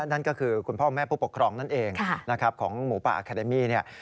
นั่นก็คือคุณพ่อแม่ผู้ปกครองนั่นเองนะครับของหมูป่าอาคาเดมี่เนี่ย